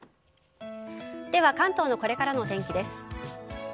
では関東のこれからのお天気です。